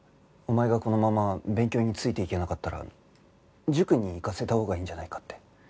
お前がこのまま勉強についていけなかったら塾に行かせたほうがいいんじゃないかって。